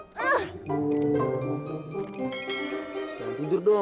jangan tidur dong